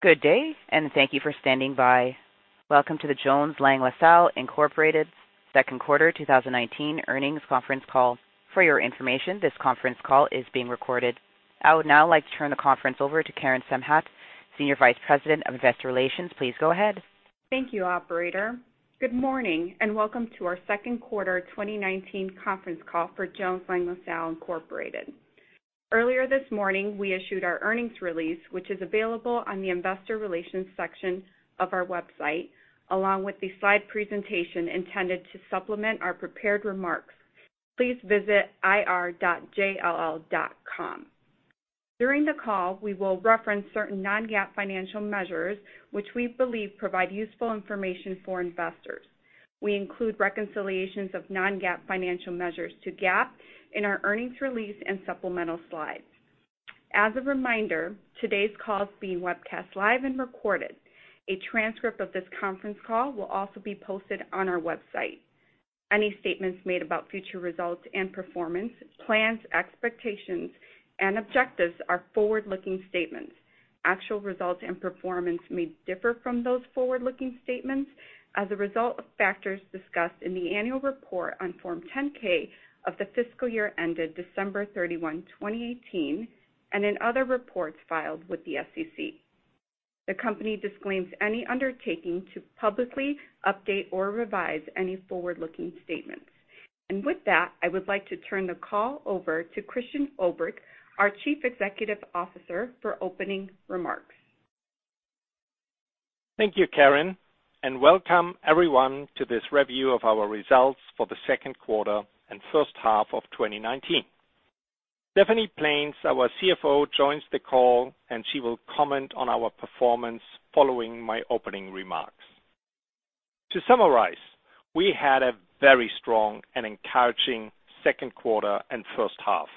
Good day. Thank you for standing by. Welcome to the Jones Lang LaSalle Incorporated second quarter 2019 earnings conference call. For your information, this conference call is being recorded. I would now like to turn the conference over to Karen Samhat, senior vice president of investor relations. Please go ahead. Thank you, operator. Good morning, welcome to our second quarter 2019 conference call for Jones Lang LaSalle Incorporated. Earlier this morning, we issued our earnings release, which is available on the investor relations section of our website, along with the slide presentation intended to supplement our prepared remarks. Please visit ir.jll.com. During the call, we will reference certain non-GAAP financial measures which we believe provide useful information for investors. We include reconciliations of non-GAAP financial measures to GAAP in our earnings release and supplemental slides. As a reminder, today's call is being webcast live and recorded. A transcript of this conference call will also be posted on our website. Any statements made about future results and performance, plans, expectations, and objectives are forward-looking statements. Actual results and performance may differ from those forward-looking statements as a result of factors discussed in the annual report on Form 10-K of the fiscal year ended December 31, 2018, and in other reports filed with the SEC. The company disclaims any undertaking to publicly update or revise any forward-looking statements. With that, I would like to turn the call over to Christian Ulbrich, our chief executive officer, for opening remarks. Thank you, Karen, and welcome everyone to this review of our results for the second quarter and first half of 2019. Stephanie Plaines, our CFO, joins the call, and she will comment on our performance following my opening remarks. To summarize, we had a very strong and encouraging second quarter and first half.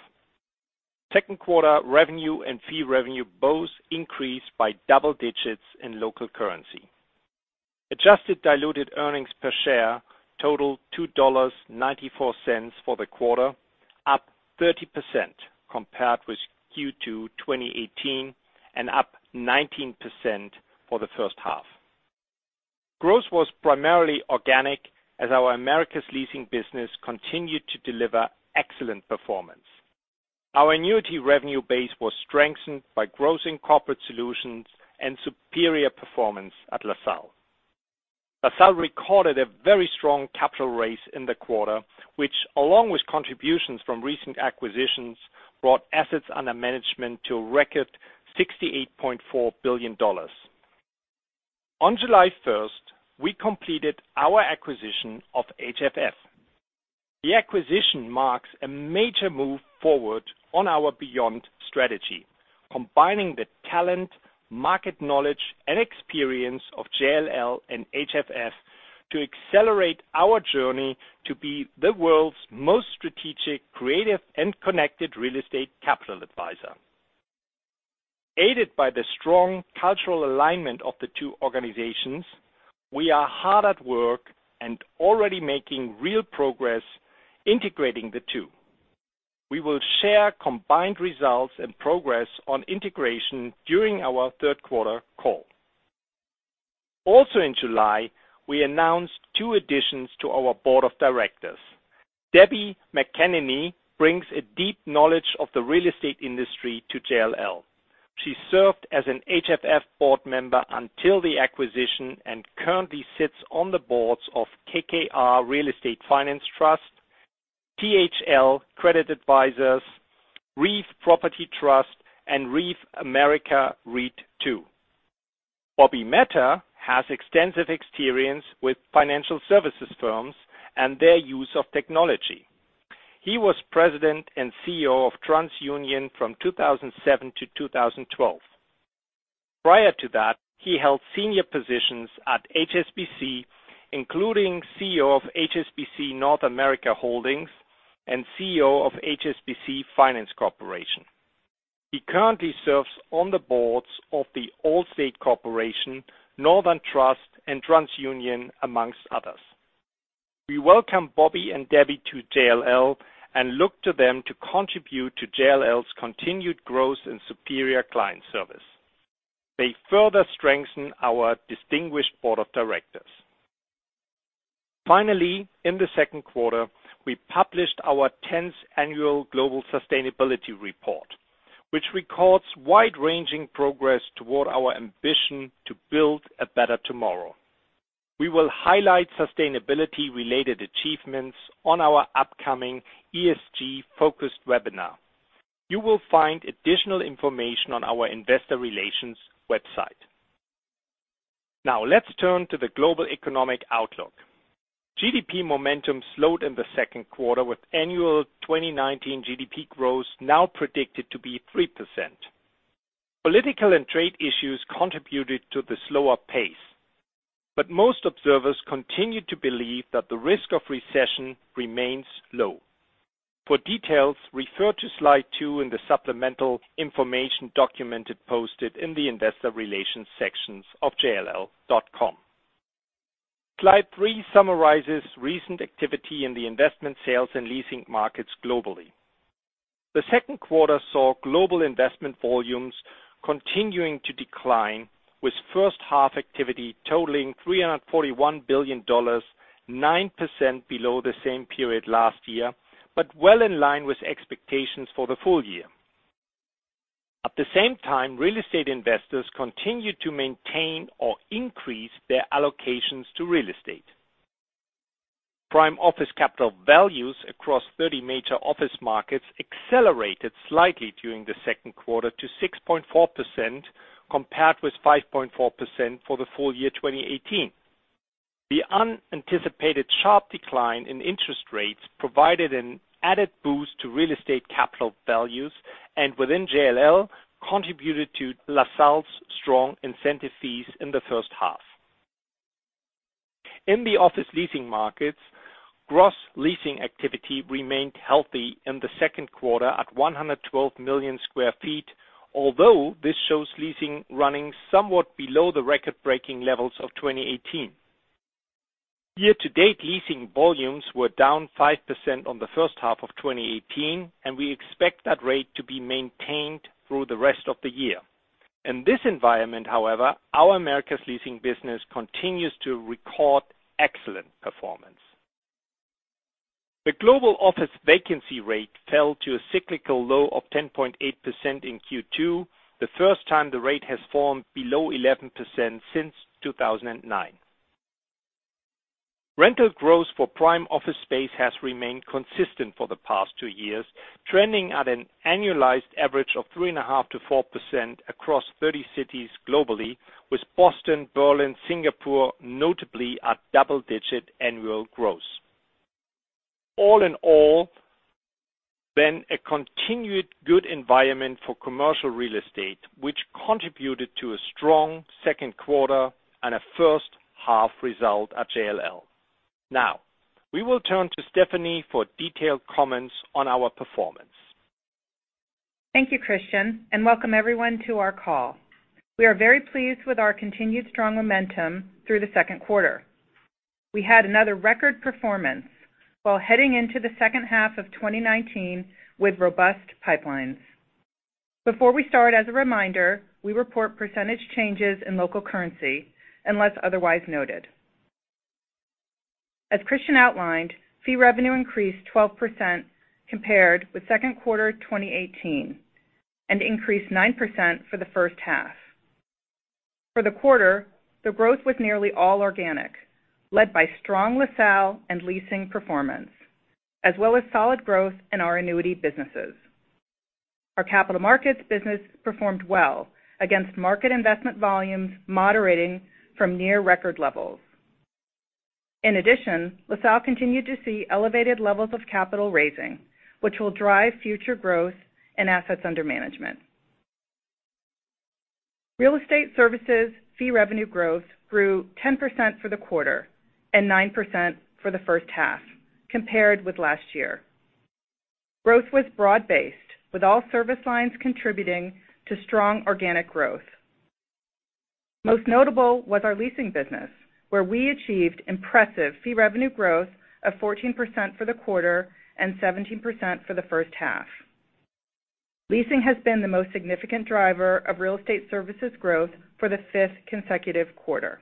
Second quarter revenue and fee revenue both increased by double digits in local currency. Adjusted diluted earnings per share totaled $2.94 for the quarter, up 30% compared with Q2 2018 and up 19% for the first half. Growth was primarily organic as our America's leasing business continued to deliver excellent performance. Our annuity revenue base was strengthened by growth in corporate solutions and superior performance at LaSalle. LaSalle recorded a very strong capital raise in the quarter, which along with contributions from recent acquisitions, brought assets under management to a record $68.4 billion. On July 1st, we completed our acquisition of HFF. The acquisition marks a major move forward on our Beyond strategy, combining the talent, market knowledge, and experience of JLL and HFF to accelerate our journey to be the world's most strategic, creative, and connected real estate capital advisor. Aided by the strong cultural alignment of the two organizations, we are hard at work and already making real progress integrating the two. We will share combined results and progress on integration during our third quarter call. Also in July, we announced two additions to our board of directors. Deborah McAneny brings a deep knowledge of the real estate industry to JLL. She served as an HFF board member until the acquisition and currently sits on the boards of KKR Real Estate Finance Trust, THL Credit Advisors, RREEF Property Trust, and RREEF America REIT II. Bobby Mehta has extensive experience with financial services firms and their use of technology. He was president and CEO of TransUnion from 2007 to 2012. Prior to that, he held senior positions at HSBC, including CEO of HSBC North America Holdings and CEO of HSBC Finance Corporation. He currently serves on the boards of The Allstate Corporation, Northern Trust, and TransUnion, amongst others. We welcome Bobby and Debbie to JLL and look to them to contribute to JLL's continued growth and superior client service. They further strengthen our distinguished board of directors. In the second quarter, we published our 10th annual Global Sustainability Report, which records wide-ranging progress toward our ambition to build a better tomorrow. We will highlight sustainability-related achievements on our upcoming ESG-focused webinar. You will find additional information on our investor relations website. Let's turn to the global economic outlook. GDP momentum slowed in the second quarter, with annual 2019 GDP growth now predicted to be 3%. Political and trade issues contributed to the slower pace, but most observers continue to believe that the risk of recession remains low. For details, refer to Slide 2 in the supplemental information document posted in the investor relations sections of jll.com. Slide three summarizes recent activity in the investment sales and leasing markets globally. The second quarter saw global investment volumes continuing to decline, with first half activity totaling $341 billion, 9% below the same period last year, but well in line with expectations for the full year. At the same time, real estate investors continued to maintain or increase their allocations to real estate. Prime office capital values across 30 major office markets accelerated slightly during the second quarter to 6.4%, compared with 5.4% for the full year 2018. The unanticipated sharp decline in interest rates provided an added boost to real estate capital values, and within JLL, contributed to LaSalle's strong incentive fees in the first half. In the office leasing markets, gross leasing activity remained healthy in the second quarter at 112 million square feet, although this shows leasing running somewhat below the record-breaking levels of 2018. Year to date, leasing volumes were down 5% on the first half of 2018, and we expect that rate to be maintained through the rest of the year. In this environment, however, our Americas leasing business continues to record excellent performance. The global office vacancy rate fell to a cyclical low of 10.8% in Q2, the first time the rate has fallen below 11% since 2009. Rental growth for prime office space has remained consistent for the past 2 years, trending at an annualized average of 3.5%-4% across 30 cities globally, with Boston, Berlin, Singapore notably at double-digit annual growth. All in all, a continued good environment for commercial real estate, which contributed to a strong second quarter and a first half result at JLL. We will turn to Stephanie for detailed comments on our performance. Thank you, Christian, and welcome everyone to our call. We are very pleased with our continued strong momentum through the second quarter. We had another record performance while heading into the second half of 2019 with robust pipelines. Before we start, as a reminder, we report percentage changes in local currency, unless otherwise noted. As Christian outlined, fee revenue increased 12% compared with second quarter 2018, and increased 9% for the first half. For the quarter, the growth was nearly all organic, led by strong LaSalle and leasing performance, as well as solid growth in our annuity businesses. Our capital markets business performed well against market investment volumes moderating from near record levels. In addition, LaSalle continued to see elevated levels of capital raising, which will drive future growth and assets under management. Real estate services fee revenue growth grew 10% for the quarter and 9% for the first half compared with last year. Growth was broad-based, with all service lines contributing to strong organic growth. Most notable was our leasing business, where we achieved impressive fee revenue growth of 14% for the quarter and 17% for the first half. Leasing has been the most significant driver of real estate services growth for the fifth consecutive quarter.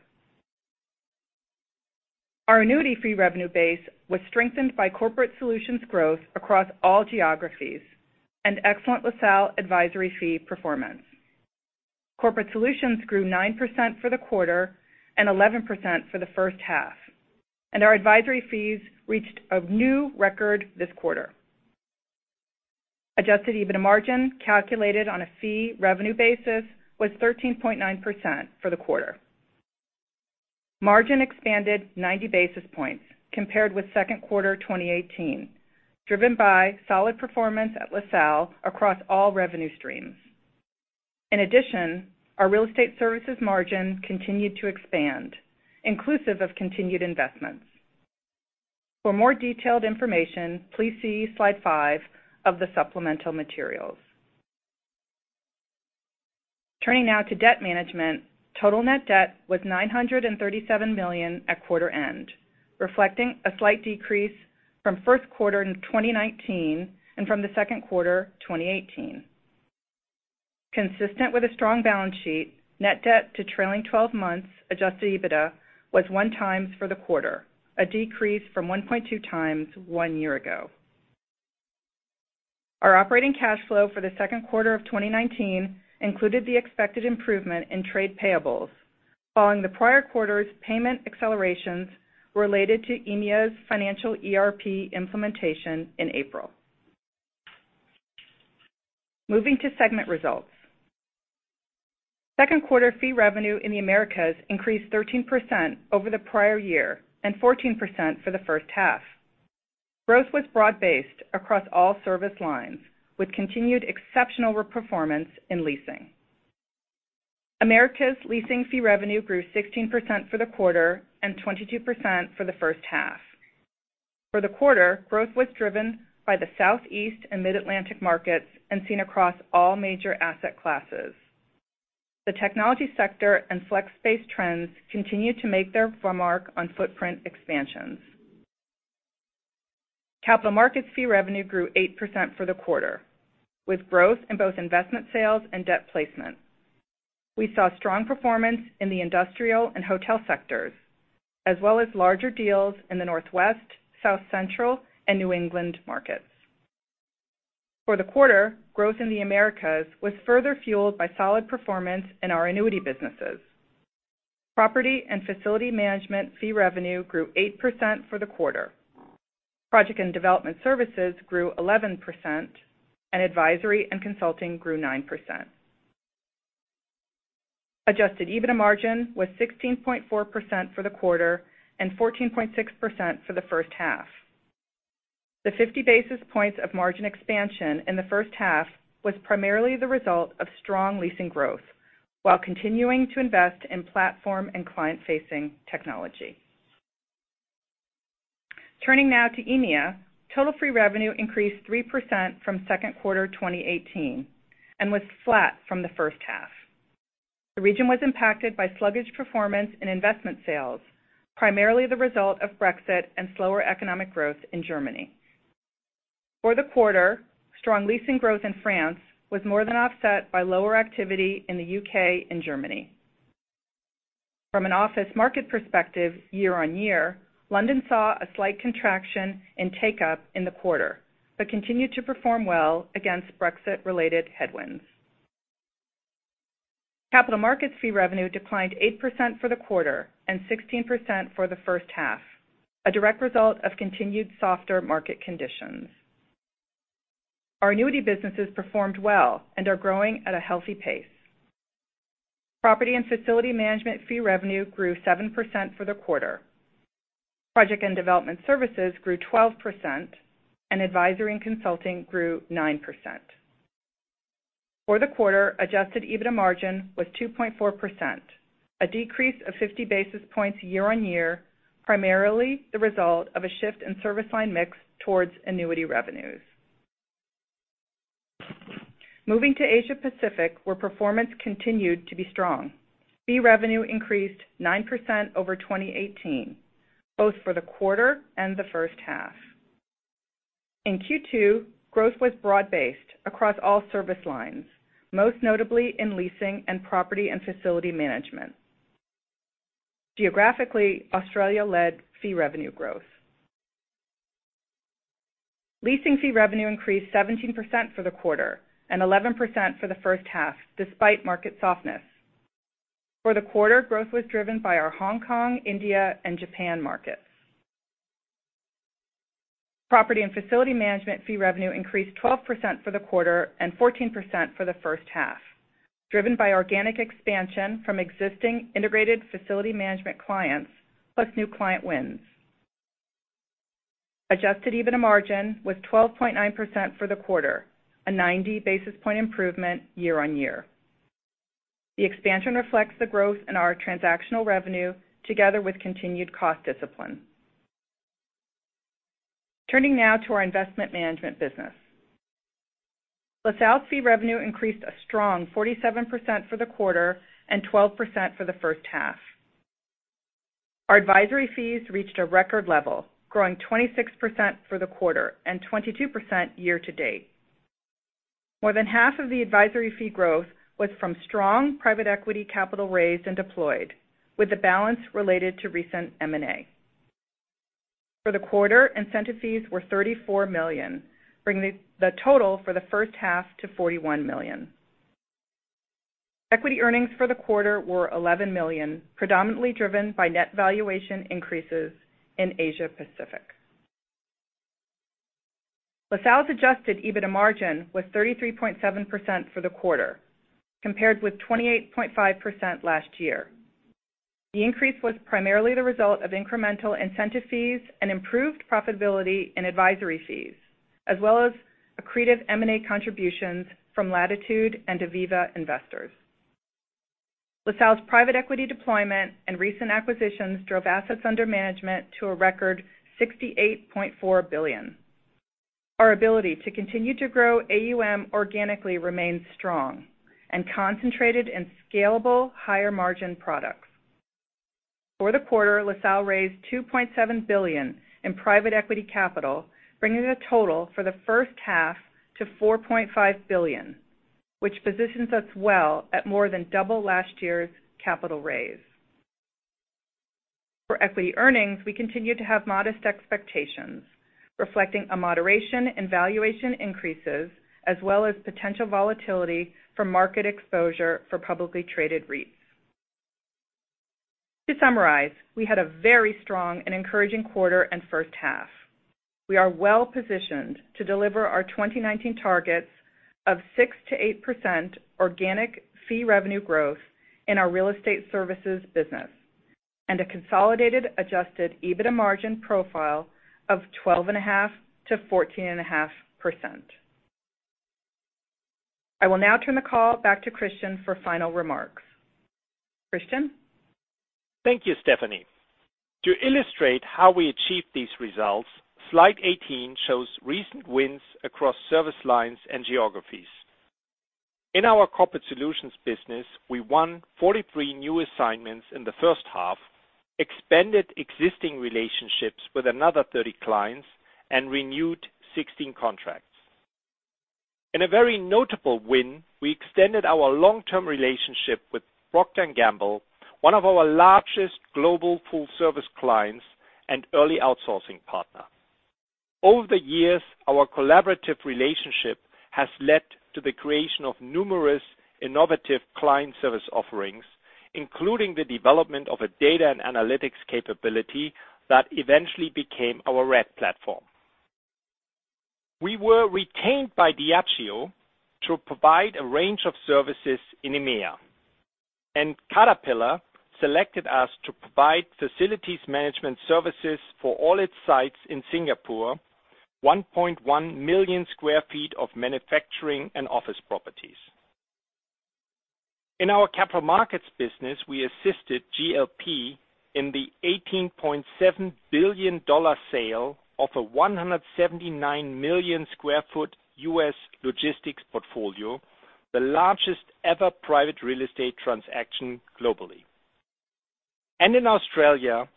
Our annuity fee revenue base was strengthened by Corporate Solutions growth across all geographies and excellent LaSalle advisory fee performance. Corporate Solutions grew 9% for the quarter and 11% for the first half, and our advisory fees reached a new record this quarter. Adjusted EBITDA margin, calculated on a fee revenue basis, was 13.9% for the quarter. Margin expanded 90 basis points compared with second quarter 2018, driven by solid performance at LaSalle across all revenue streams. In addition, our real estate services margin continued to expand, inclusive of continued investments. For more detailed information, please see slide five of the supplemental materials. Turning now to debt management. Total net debt was $937 million at quarter end, reflecting a slight decrease from first quarter in 2019 and from the second quarter 2018. Consistent with a strong balance sheet, net debt to trailing 12 months adjusted EBITDA was one times for the quarter, a decrease from 1.2 times one year ago. Our operating cash flow for the second quarter of 2019 included the expected improvement in trade payables, following the prior quarter's payment accelerations related to EMEA's financial ERP implementation in April. Moving to segment results. Second quarter fee revenue in the Americas increased 13% over the prior year and 14% for the first half. Growth was broad-based across all service lines, with continued exceptional performance in leasing. Americas leasing fee revenue grew 16% for the quarter and 22% for the first half. For the quarter, growth was driven by the Southeast and Mid-Atlantic markets and seen across all major asset classes. The technology sector and flex space trends continue to make their mark on footprint expansions. Capital markets fee revenue grew 8% for the quarter, with growth in both investment sales and debt placement. We saw strong performance in the industrial and hotel sectors, as well as larger deals in the Northwest, South Central, and New England markets. For the quarter, growth in the Americas was further fueled by solid performance in our annuity businesses. Property and facility management fee revenue grew 8% for the quarter. Project and development services grew 11%, and advisory and consulting grew 9%. Adjusted EBITDA margin was 16.4% for the quarter and 14.6% for the first half. The 50 basis points of margin expansion in the first half was primarily the result of strong leasing growth, while continuing to invest in platform and client-facing technology. Turning now to EMEA. Total fee revenue increased 3% from second quarter 2018 and was flat from the first half. The region was impacted by sluggish performance in investment sales, primarily the result of Brexit and slower economic growth in Germany. For the quarter, strong leasing growth in France was more than offset by lower activity in the U.K. and Germany. From an office market perspective, year-over-year, London saw a slight contraction in take-up in the quarter, but continued to perform well against Brexit-related headwinds. Capital markets fee revenue declined 8% for the quarter and 16% for the first half, a direct result of continued softer market conditions. Our annuity businesses performed well and are growing at a healthy pace. Property and facility management fee revenue grew 7% for the quarter. Project and development services grew 12%, and advisory and consulting grew 9%. For the quarter, adjusted EBITDA margin was 2.4%, a decrease of 50 basis points year-on-year, primarily the result of a shift in service line mix towards annuity revenues. Moving to Asia Pacific, where performance continued to be strong. Fee revenue increased 9% over 2018, both for the quarter and the first half. In Q2, growth was broad-based across all service lines, most notably in leasing and property and facility management. Geographically, Australia led fee revenue growth. Leasing fee revenue increased 17% for the quarter and 11% for the first half, despite market softness. For the quarter, growth was driven by our Hong Kong, India, and Japan markets. Property and facility management fee revenue increased 12% for the quarter and 14% for the first half, driven by organic expansion from existing integrated facility management clients, plus new client wins. Adjusted EBITDA margin was 12.9% for the quarter, a 90 basis point improvement year-over-year. The expansion reflects the growth in our transactional revenue together with continued cost discipline. Turning now to our investment management business. LaSalle's fee revenue increased a strong 47% for the quarter and 12% for the first half. Our advisory fees reached a record level, growing 26% for the quarter and 22% year to date. More than half of the advisory fee growth was from strong private equity capital raised and deployed, with the balance related to recent M&A. For the quarter, incentive fees were $34 million, bringing the total for the first half to $41 million. Equity earnings for the quarter were $11 million, predominantly driven by net valuation increases in Asia Pacific. LaSalle's adjusted EBITDA margin was 33.7% for the quarter, compared with 28.5% last year. The increase was primarily the result of incremental incentive fees and improved profitability in advisory fees, as well as accretive M&A contributions from Latitude and Aviva Investors. LaSalle's private equity deployment and recent acquisitions drove assets under management to a record $68.4 billion. Our ability to continue to grow AUM organically remains strong and concentrated in scalable, higher margin products. For the quarter, LaSalle raised $2.7 billion in private equity capital, bringing the total for the first half to $4.5 billion, which positions us well at more than double last year's capital raise. For equity earnings, we continue to have modest expectations, reflecting a moderation in valuation increases as well as potential volatility from market exposure for publicly traded REITs. To summarize, we had a very strong and encouraging quarter and first half. We are well positioned to deliver our 2019 targets of 6%-8% organic fee revenue growth in our real estate services business and a consolidated adjusted EBITDA margin profile of 12.5%-14.5%. I will now turn the call back to Christian for final remarks. Christian? Thank you, Stephanie. To illustrate how we achieved these results, slide 18 shows recent wins across service lines and geographies. In our corporate solutions business, we won 43 new assignments in the first half, expanded existing relationships with another 30 clients, and renewed 16 contracts. In a very notable win, we extended our long-term relationship with Procter & Gamble, one of our largest global full-service clients and early outsourcing partner. Over the years, our collaborative relationship has led to the creation of numerous innovative client service offerings, including the development of a data and analytics capability that eventually became our RED platform. We were retained by Diageo to provide a range of services in EMEA, and Caterpillar selected us to provide facilities management services for all its sites in Singapore, 1.1 million sq ft of manufacturing and office properties. In our capital markets business, we assisted GLP in the $18.7 billion sale of a 179 million sq ft U.S. logistics portfolio, the largest ever private real estate transaction globally. In Australia,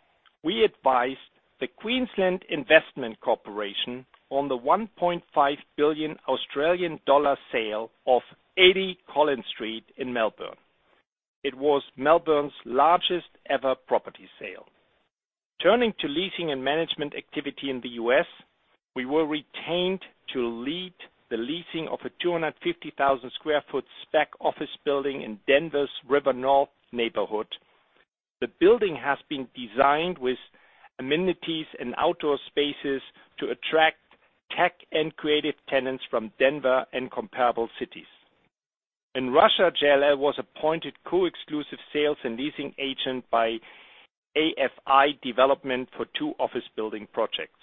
we advised the Queensland Investment Corporation on the 1.5 billion Australian dollar sale of 80 Collins Street in Melbourne. It was Melbourne's largest ever property sale. Turning to leasing and management activity in the U.S., we were retained to lead the leasing of a 250,000 sq ft spec office building in Denver's River North neighborhood. The building has been designed with amenities and outdoor spaces to attract tech and creative tenants from Denver and comparable cities. In Russia, JLL was appointed co-exclusive sales and leasing agent by AFI Development for two office building projects.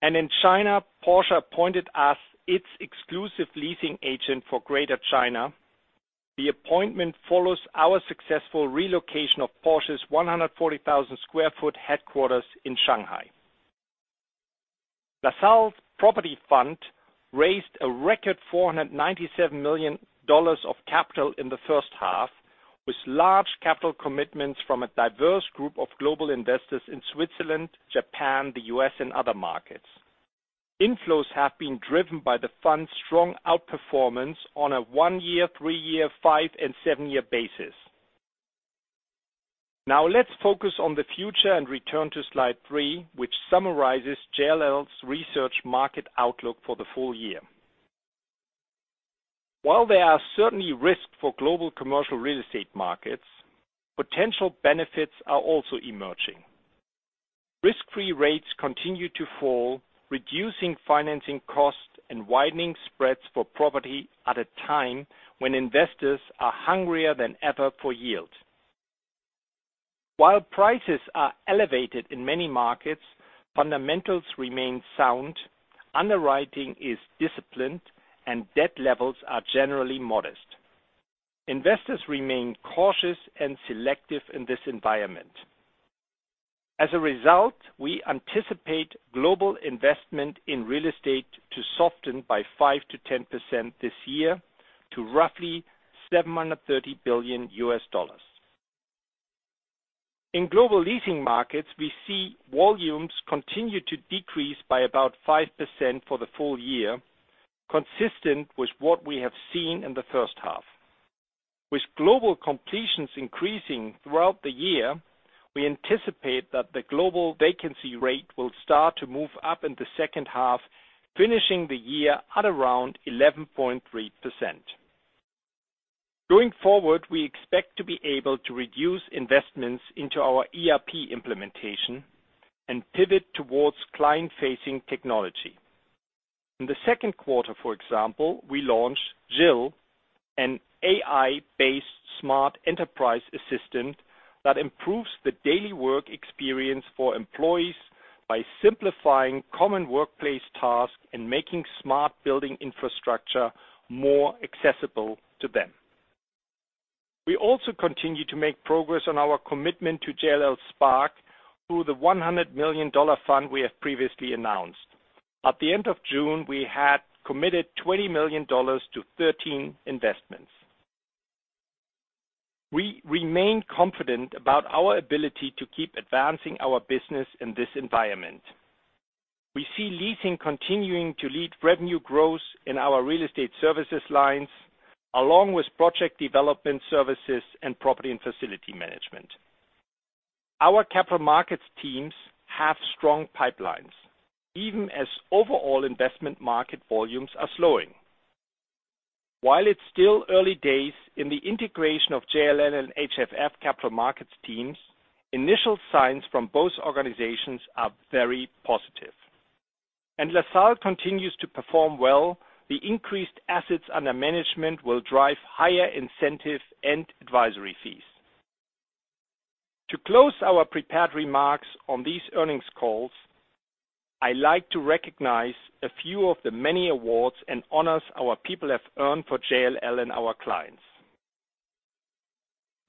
In China, Porsche appointed us its exclusive leasing agent for Greater China. The appointment follows our successful relocation of Porsche's 140,000 sq ft headquarters in Shanghai. LaSalle's property fund raised a record $497 million of capital in the first half, with large capital commitments from a diverse group of global investors in Switzerland, Japan, the U.S., and other markets. Inflows have been driven by the fund's strong outperformance on a one-year, three-year, five, and seven-year basis. Now let's focus on the future and return to slide three, which summarizes JLL's research market outlook for the full year. While there are certainly risks for global commercial real estate markets, potential benefits are also emerging. Risk-free rates continue to fall, reducing financing costs and widening spreads for property at a time when investors are hungrier than ever for yield. While prices are elevated in many markets, fundamentals remain sound, underwriting is disciplined, and debt levels are generally modest. Investors remain cautious and selective in this environment. As a result, we anticipate global investment in real estate to soften by 5%-10% this year to roughly $730 billion. In global leasing markets, we see volumes continue to decrease by about 5% for the full year, consistent with what we have seen in the first half. With global completions increasing throughout the year, we anticipate that the global vacancy rate will start to move up in the second half, finishing the year at around 11.3%. Going forward, we expect to be able to reduce investments into our ERP implementation and pivot towards client-facing technology. In the second quarter, for example, we launched JiLL, an AI-based smart enterprise assistant that improves the daily work experience for employees by simplifying common workplace tasks and making smart building infrastructure more accessible to them. We also continue to make progress on our commitment to JLL Spark through the $100 million fund we have previously announced. At the end of June, we had committed $20 million to 13 investments. We remain confident about our ability to keep advancing our business in this environment. We see leasing continuing to lead revenue growth in our real estate services lines, along with project development services and property and facility management. Our capital markets teams have strong pipelines, even as overall investment market volumes are slowing. It's still early days in the integration of JLL and HFF capital markets teams, initial signs from both organizations are very positive. LaSalle continues to perform well. The increased assets under management will drive higher incentive and advisory fees. To close our prepared remarks on these earnings calls, I like to recognize a few of the many awards and honors our people have earned for JLL and our clients.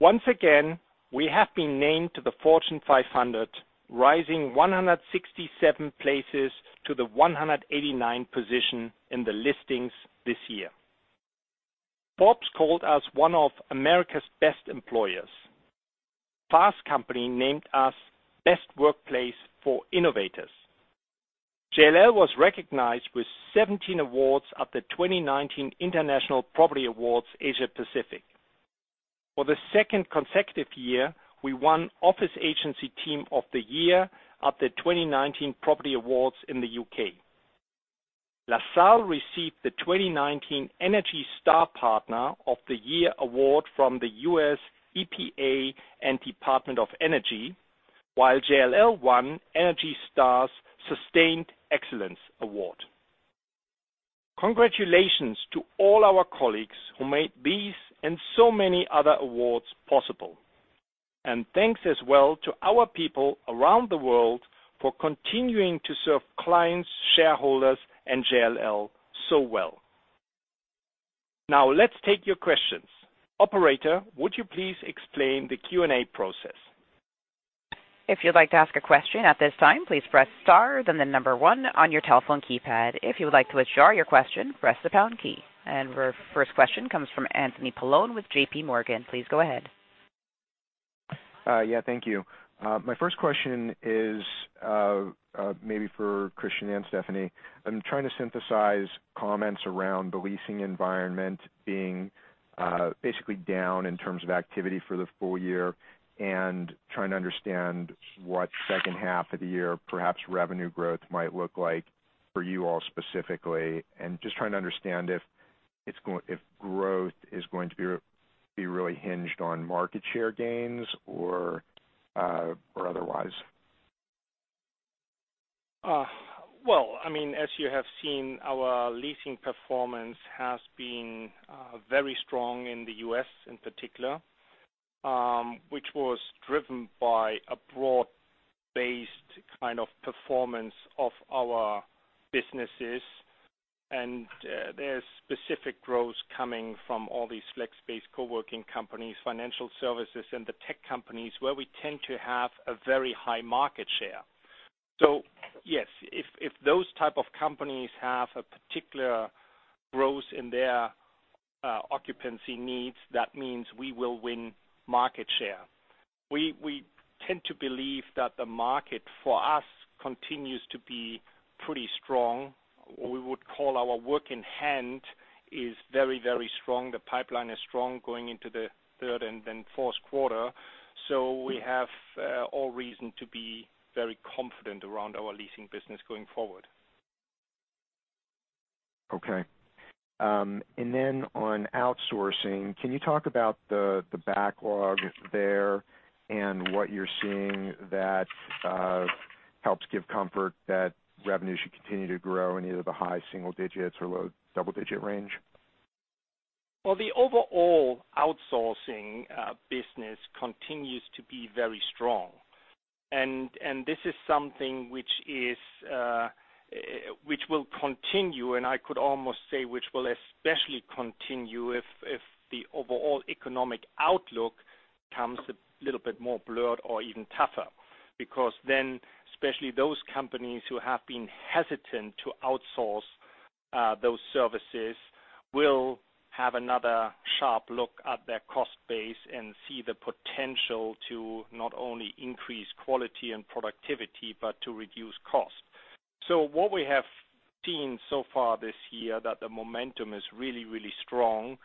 Once again, we have been named to the Fortune 500, rising 167 places to the 189 position in the listings this year. Forbes called us one of America's best employers. Fast Company named us Best Workplace for Innovators. JLL was recognized with 17 awards at the 2019 International Property Awards, Asia Pacific. For the second consecutive year, we won Office Agency Team of the Year at the 2019 Property Awards in the U.K. LaSalle received the 2019 Energy Star Partner of the Year award from the U.S. EPA and Department of Energy, while JLL won Energy Star's Sustained Excellence Award. Congratulations to all our colleagues who made these and so many other awards possible. Thanks as well to our people around the world for continuing to serve clients, shareholders, and JLL so well. Now, let's take your questions. Operator, would you please explain the Q&A process? If you'd like to ask a question at this time, please press star, then the number 1 on your telephone keypad. If you would like to withdraw your question, press the pound key. Our first question comes from Anthony Paolone with J.P. Morgan. Please go ahead. Yeah, thank you. My first question is maybe for Christian and Stephanie. I'm trying to synthesize comments around the leasing environment being basically down in terms of activity for the full year and trying to understand what second half of the year, perhaps revenue growth might look like for you all specifically, and just trying to understand if growth is going to be really hinged on market share gains or otherwise. Well, as you have seen, our leasing performance has been very strong in the U.S. in particular, which was driven by a broad-based kind of performance of our businesses. There's specific growth coming from all these flex-based co-working companies, financial services, and the tech companies where we tend to have a very high market share. Yes, if those type of companies have a particular growth in their occupancy needs, that means we will win market share. We tend to believe that the market for us continues to be pretty strong. We would call our work in hand is very strong. The pipeline is strong going into the third and then fourth quarter. We have all reason to be very confident around our leasing business going forward. Okay. On outsourcing, can you talk about the backlog there and what you're seeing that helps give comfort that revenue should continue to grow in either the high single digits or low double-digit range? The overall outsourcing business continues to be very strong, and this is something which will continue, and I could almost say, which will especially continue if the overall economic outlook becomes a little bit more blurred or even tougher. Then especially those companies who have been hesitant to outsource those services will have another sharp look at their cost base and see the potential to not only increase quality and productivity, but to reduce cost. What we have seen so far this year that the momentum is really, really strong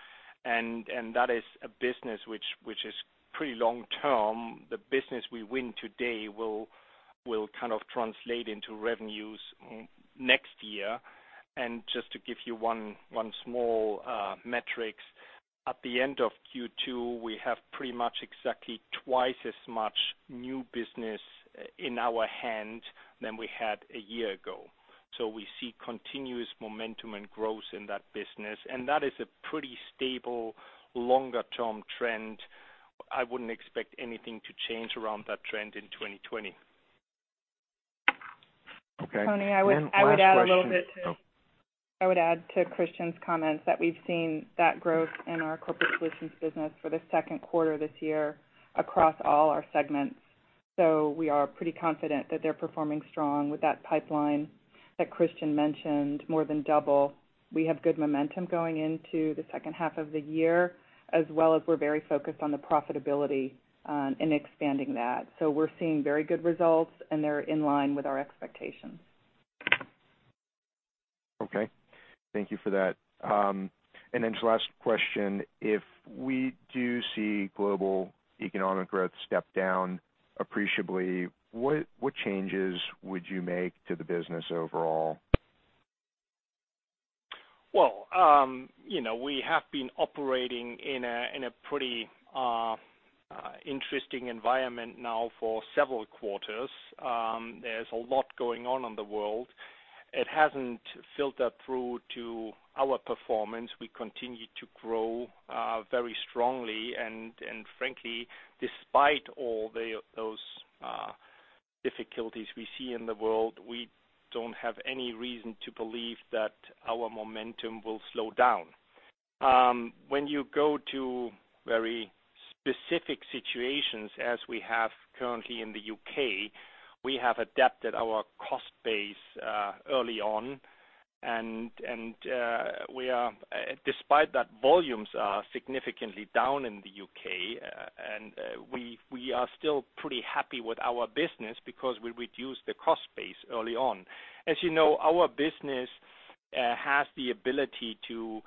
and that is a business which is pretty long-term. The business we win today will kind of translate into revenues next year. Just to give you one small metrics. At the end of Q2, we have pretty much exactly twice as much new business in our hand than we had a year ago. We see continuous momentum and growth in that business, and that is a pretty stable longer-term trend. I wouldn't expect anything to change around that trend in 2020. Okay. Last question. Tony, I would add a little bit to Christian's comments that we've seen that growth in our corporate solutions business for the second quarter this year across all our segments. We are pretty confident that they're performing strong with that pipeline that Christian mentioned, more than double. We have good momentum going into the second half of the year, as well as we're very focused on the profitability and expanding that. We're seeing very good results, and they're in line with our expectations. Okay. Thank you for that. Then to the last question. If we do see global economic growth step down appreciably, what changes would you make to the business overall? We have been operating in a pretty interesting environment now for several quarters. There's a lot going on in the world. It hasn't filtered through to our performance. We continue to grow very strongly. Frankly, despite all those difficulties we see in the world, we don't have any reason to believe that our momentum will slow down. When you go to very specific situations, as we have currently in the U.K., we have adapted our cost base early on, and despite that volumes are significantly down in the U.K., We are still pretty happy with our business because we reduced the cost base early on. As you know, our business has the ability to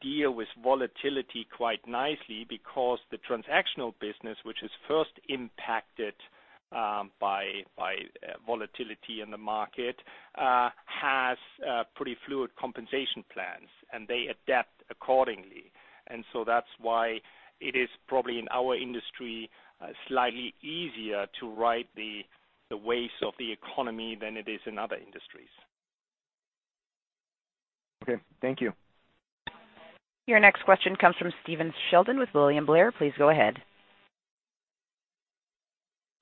deal with volatility quite nicely because the transactional business, which is first impacted by volatility in the market, has pretty fluid compensation plans, and they adapt accordingly. That's why it is probably, in our industry, slightly easier to ride the waves of the economy than it is in other industries. Okay. Thank you. Your next question comes from Stephen Sheldon with William Blair. Please go ahead.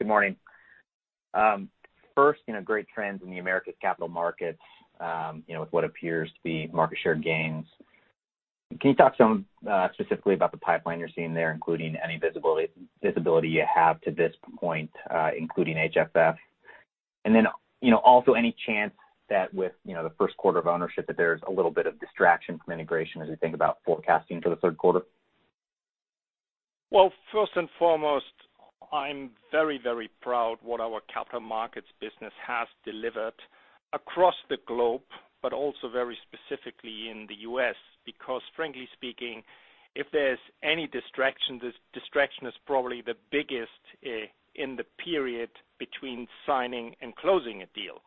Good morning. First, great trends in the Americas capital markets, with what appears to be market share gains. Can you talk specifically about the pipeline you're seeing there, including any visibility you have to this point, including HFF? Also any chance that with the first quarter of ownership, that there's a little bit of distraction from integration as we think about forecasting for the third quarter? Well, first and foremost, I'm very, very proud what our capital markets business has delivered across the globe, but also very specifically in the U.S., because frankly speaking, if there's any distraction, this distraction is probably the biggest in the period between signing and closing a deal.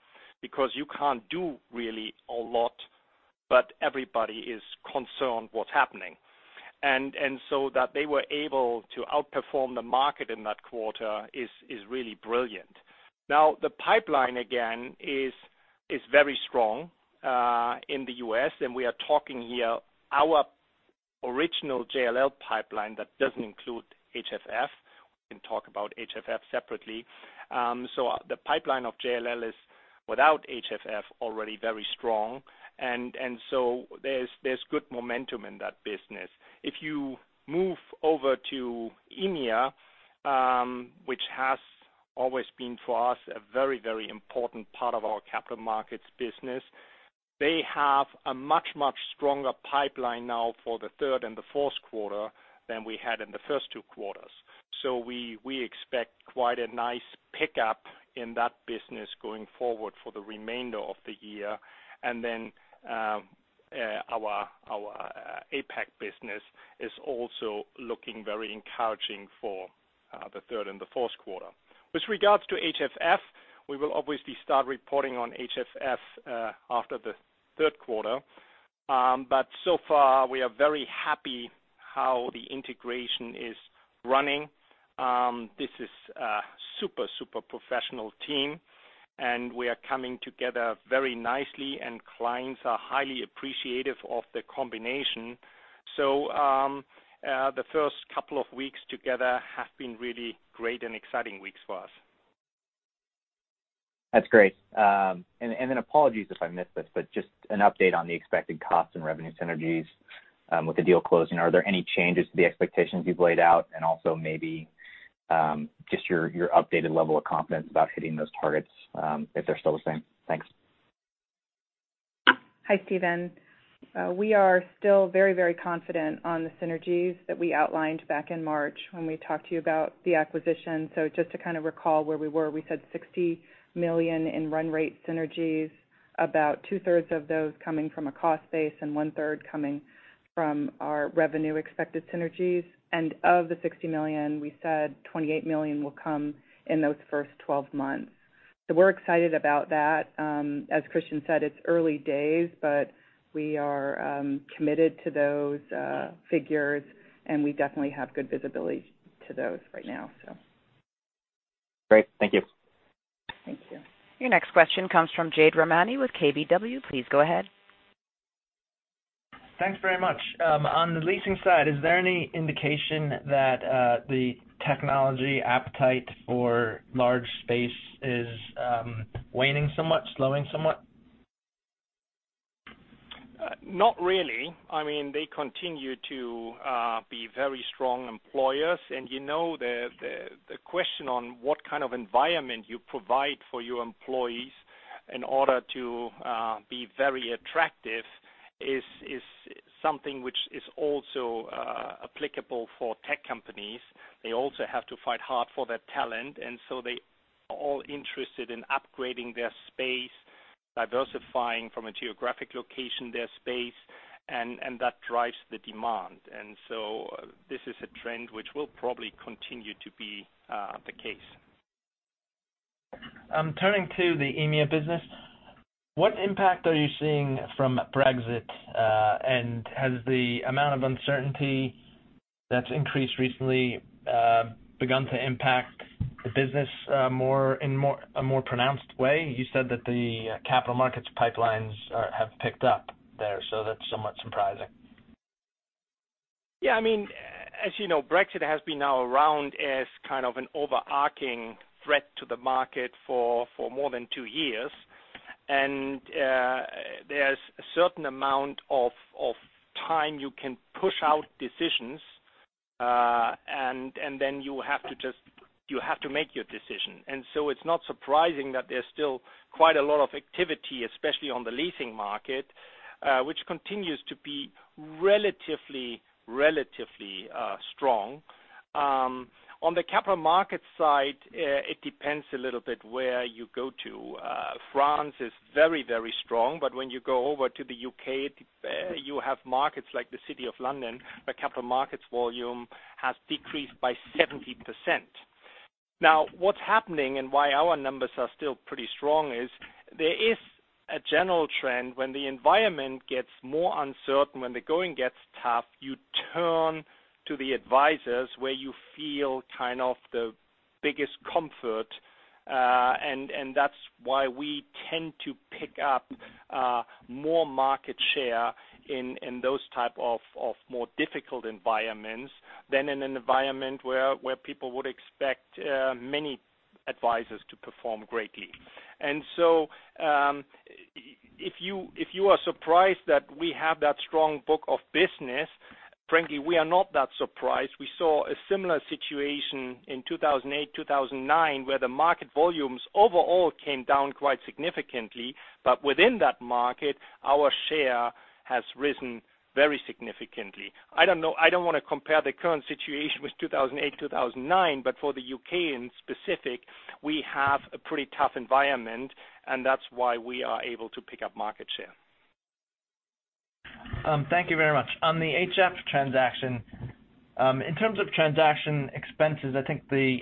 You can't do really a lot, but everybody is concerned what's happening. That they were able to outperform the market in that quarter is really brilliant. Now, the pipeline again, is very strong, in the U.S., We are talking here our original JLL pipeline that doesn't include HFF. We can talk about HFF separately. The pipeline of JLL is without HFF, already very strong. There's good momentum in that business. If you move over to EMEA, which has always been for us, a very, very important part of our capital markets business. They have a much, much stronger pipeline now for the third and the fourth quarter than we had in the first two quarters. We expect quite a nice pickup in that business going forward for the remainder of the year. Our APAC business is also looking very encouraging for the third and the fourth quarter. With regards to HFF, we will obviously start reporting on HFF, after the third quarter. So far, we are very happy how the integration is running. This is a super professional team, and we are coming together very nicely, and clients are highly appreciative of the combination. The first couple of weeks together have been really great and exciting weeks for us. That's great. Apologies if I missed this, just an update on the expected cost and revenue synergies, with the deal closing. Are there any changes to the expectations you've laid out? Maybe, just your updated level of confidence about hitting those targets, if they're still the same. Thanks. Hi, Stephen. We are still very confident on the synergies that we outlined back in March when we talked to you about the acquisition. Just to kind of recall where we were, we said $60 million in run rate synergies, about two-thirds of those coming from a cost base and one-third coming from our revenue expected synergies. Of the $60 million, we said $28 million will come in those first 12 months. We're excited about that. As Christian said, it's early days, but we are committed to those figures, and we definitely have good visibility to those right now. Great. Thank you. Thank you. Your next question comes from Jade Rahmani with KBW. Please go ahead. Thanks very much. On the leasing side, is there any indication that the technology appetite for large space is waning somewhat, slowing somewhat? Not really. They continue to be very strong employers. The question on what kind of environment you provide for your employees in order to be very attractive is something which is also applicable for tech companies. They also have to fight hard for their talent, they are all interested in upgrading their space, diversifying from a geographic location their space, and that drives the demand. This is a trend which will probably continue to be the case. Turning to the EMEA business, what impact are you seeing from Brexit? Has the amount of uncertainty that's increased recently begun to impact the business in a more pronounced way? You said that the capital markets pipelines have picked up there, that's somewhat surprising. Yeah, as you know, Brexit has been now around as kind of an overarching threat to the market for more than two years. There's a certain amount of time you can push out decisions, and then you have to make your decision. It's not surprising that there's still quite a lot of activity, especially on the leasing market, which continues to be relatively strong. On the capital markets side, it depends a little bit where you go to. France is very strong, but when you go over to the U.K., you have markets like the City of London, where capital markets volume has decreased by 70%. What's happening and why our numbers are still pretty strong is there is a general trend when the environment gets more uncertain, when the going gets tough, you turn to the advisors where you feel kind of the biggest comfort. That's why we tend to pick up more market share in those type of more difficult environments than in an environment where people would expect many advisors to perform greatly. So, if you are surprised that we have that strong book of business, frankly, we are not that surprised. We saw a similar situation in 2008, 2009, where the market volumes overall came down quite significantly. Within that market, our share has risen very significantly. I don't want to compare the current situation with 2008, 2009, but for the U.K. in specific, we have a pretty tough environment, and that's why we are able to pick up market share. Thank you very much. On the HFF transaction, in terms of transaction expenses, I think the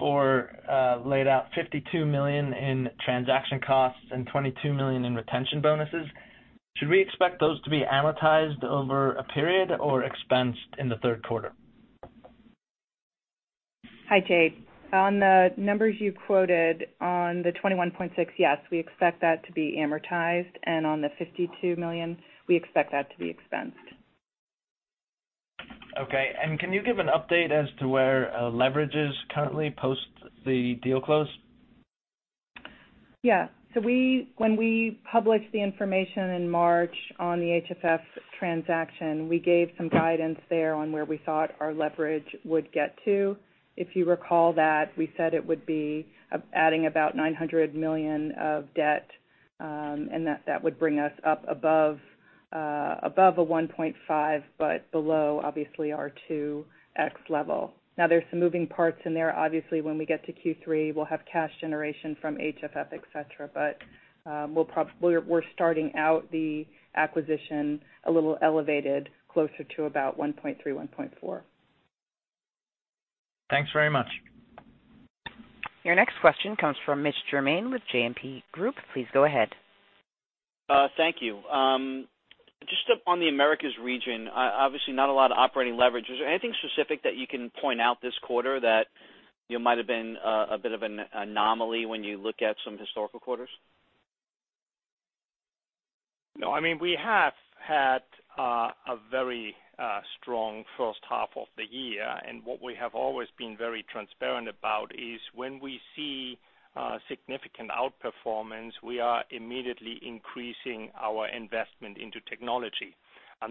S4 laid out $52 million in transaction costs and $22 million in retention bonuses. Should we expect those to be amortized over a period or expensed in the third quarter? Hi, Jade. On the numbers you quoted on the 21.6, yes, we expect that to be amortized. On the $52 million, we expect that to be expensed. Okay. Can you give an update as to where leverage is currently post the deal close? Yeah. When we published the information in March on the HFF transaction, we gave some guidance there on where we thought our leverage would get to. If you recall that we said it would be adding about $900 million of debt, and that would bring us up above a 1.5, but below, obviously, our 2X level. We're starting out the acquisition a little elevated, closer to about 1.3, 1.4. Thanks very much. Your next question comes from Mitch Germain with JMP Securities. Please go ahead. Thank you. Just on the Americas region, obviously not a lot of operating leverage. Is there anything specific that you can point out this quarter that might have been a bit of an anomaly when you look at some historical quarters? No, we have had a very strong first half of the year. What we have always been very transparent about is when we see significant outperformance, we are immediately increasing our investment into technology.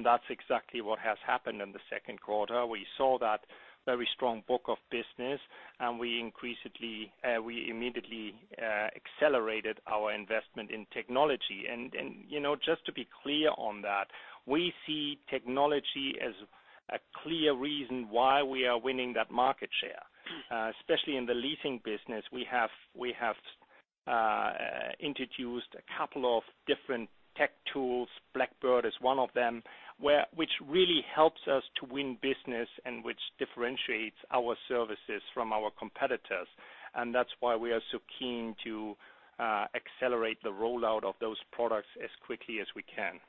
That's exactly what has happened in the second quarter. We saw that very strong book of business, we immediately accelerated our investment in technology. Just to be clear on that, we see technology as a clear reason why we are winning that market share. Especially in the leasing business, we have introduced a couple of different tech tools. Blackbird is one of them, which really helps us to win business and which differentiates our services from our competitors. That's why we are so keen to accelerate the rollout of those products as quickly as we can.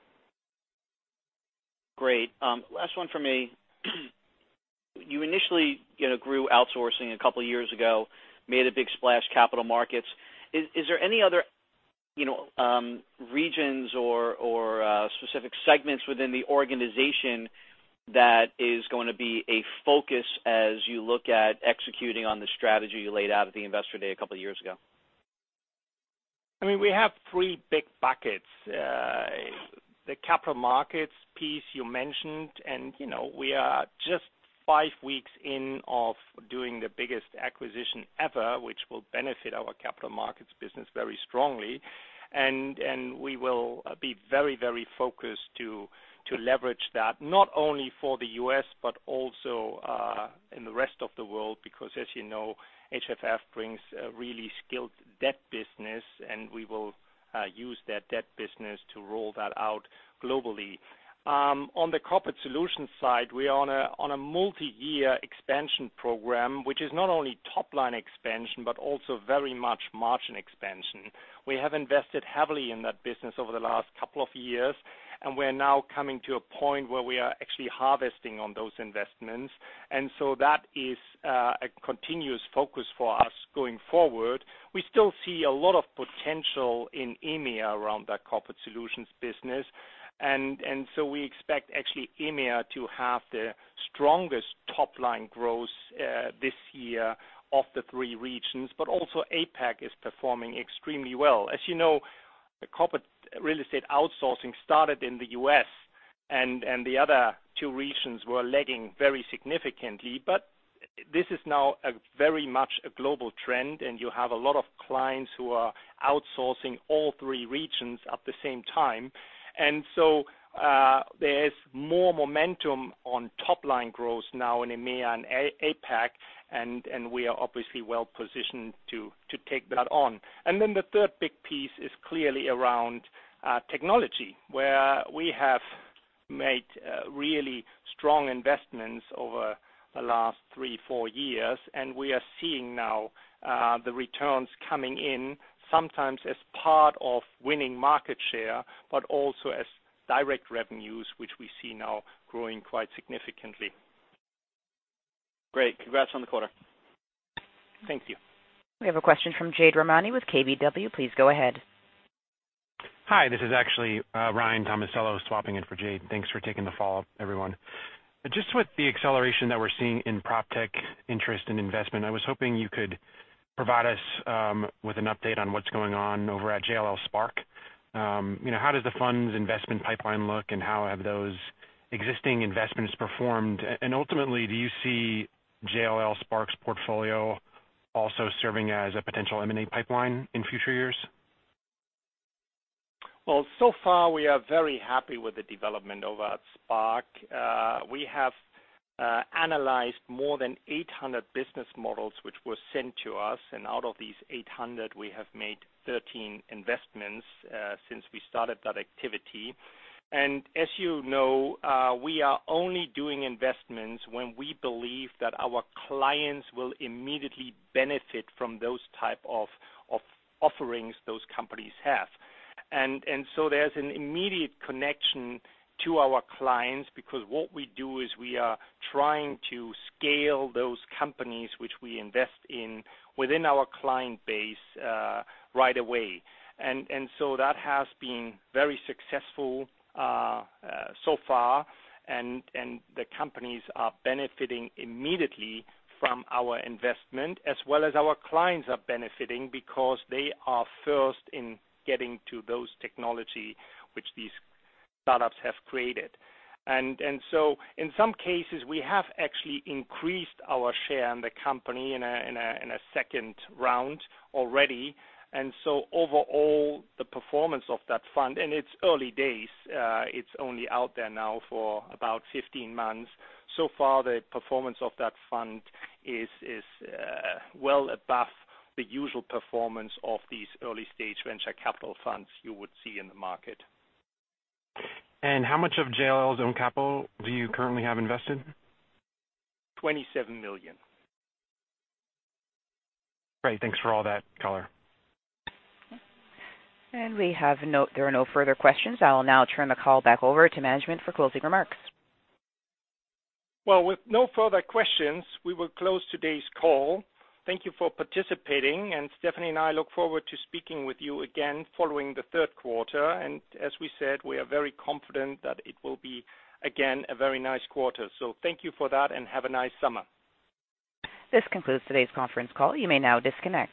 Great. Last one from me. You initially grew outsourcing a couple of years ago, made a big splash capital markets. Is there any other regions or specific segments within the organization that is going to be a focus as you look at executing on the strategy you laid out at the investor day a couple of years ago? We have three big buckets. The Capital Markets piece you mentioned, we are just five weeks in of doing the biggest acquisition ever, which will benefit our Capital Markets business very strongly. We will be very focused to leverage that, not only for the U.S., but also in the rest of the world, because as you know, HFF brings a really skilled debt business, and we will use that debt business to roll that out globally. On the corporate solutions side, we are on a multi-year expansion program, which is not only top-line expansion, but also very much margin expansion. We have invested heavily in that business over the last couple of years. We're now coming to a point where we are actually harvesting on those investments. That is a continuous focus for us going forward. We still see a lot of potential in EMEA around that corporate solutions business. We expect actually EMEA to have the strongest top-line growth this year of the three regions. APAC is performing extremely well. As you know, corporate real estate outsourcing started in the U.S., and the other two regions were lagging very significantly. This is now very much a global trend, and you have a lot of clients who are outsourcing all three regions at the same time. There is more momentum on top-line growth now in EMEA and APAC, and we are obviously well-positioned to take that on. The third big piece is clearly around technology, where we have made really strong investments over the last three, four years, and we are seeing now the returns coming in, sometimes as part of winning market share, but also as direct revenues, which we see now growing quite significantly. Great. Congrats on the quarter. Thank you. We have a question from Jade Rahmani with KBW. Please go ahead. Hi, this is actually Ryan Tomasello swapping in for Jade. Thanks for taking the follow-up, everyone. Just with the acceleration that we're seeing in PropTech interest and investment, I was hoping you could provide us with an update on what's going on over at JLL Spark. How does the fund's investment pipeline look, and how have those existing investments performed? Ultimately, do you see JLL Spark's portfolio also serving as a potential M&A pipeline in future years? Well, so far, we are very happy with the development over at Spark. We have analyzed more than 800 business models which were sent to us, and out of these 800, we have made 13 investments since we started that activity. As you know, we are only doing investments when we believe that our clients will immediately benefit from those type of offerings those companies have. There's an immediate connection to our clients because what we do is we are trying to scale those companies which we invest in within our client base right away. That has been very successful so far, and the companies are benefiting immediately from our investment, as well as our clients are benefiting because they are first in getting to those technology which these startups have created. In some cases, we have actually increased our share in the company in a second round already. Overall, the performance of that fund, and it's early days, it's only out there now for about 15 months. So far, the performance of that fund is well above the usual performance of these early-stage venture capital funds you would see in the market. How much of JLL's own capital do you currently have invested? $27 million. Great. Thanks for all that color. There are no further questions. I will now turn the call back over to management for closing remarks. Well, with no further questions, we will close today's call. Thank you for participating, and Stephanie and I look forward to speaking with you again following the third quarter. As we said, we are very confident that it will be, again, a very nice quarter. Thank you for that, and have a nice summer. This concludes today's conference call. You may now disconnect.